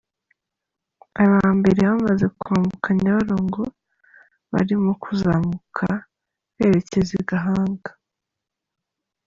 Aba mbere bamaze kwambuka Nyabarongo barimo kuzamuka berekeza i Gahanga